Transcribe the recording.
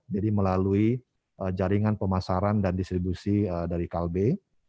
jadi melalui jaringan pemasaran dan distribusi dari kalbe